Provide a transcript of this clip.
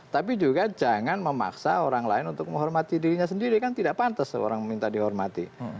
tapi juga jangan memaksa orang lain untuk menghormati dirinya sendiri kan tidak pantas orang meminta dihormati